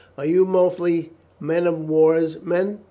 "Are you mostly men of war's men?"